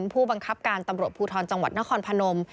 ผู้บังคับการตำรวจภูทรจังหวัดนครพนม